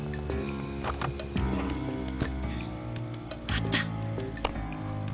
あった！